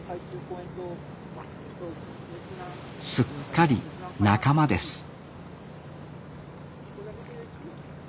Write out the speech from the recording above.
すっかり仲間です。